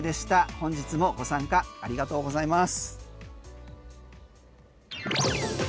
本日もご参加ありがとうございます。